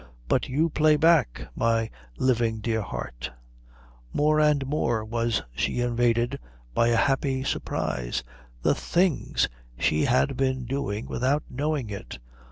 But you play back, my living dear heart " More and more was she invaded by a happy surprise. The things she had been doing without knowing it!